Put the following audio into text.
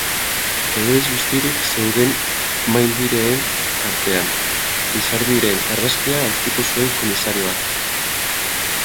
Odolez bustirik zeuden maindireen artean, Lizardiren argazkia aurkitu zuen komisarioak.